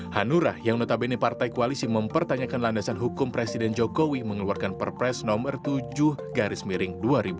hanura yang notabene partai koalisi mempertanyakan landasan hukum presiden jokowi mengeluarkan perpres nomor tujuh garis miring dua ribu dua puluh